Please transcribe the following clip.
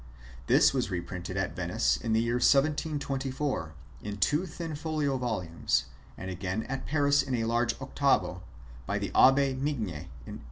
This was reprinted at Venice in the year 1724, in two thin folio volumes, and again at Paris in a large octavo, by the Abbe Migne, in 1857.